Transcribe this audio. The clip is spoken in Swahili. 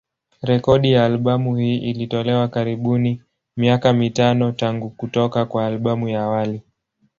Rekodi ya albamu hii ilitolewa karibuni miaka mitano tangu kutoka kwa albamu ya awali.